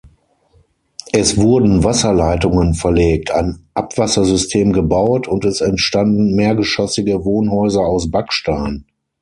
Es wurden Wasserleitungen verlegt, ein Abwassersystem gebaut, und es entstanden mehrgeschossige Wohnhäuser aus Backstein.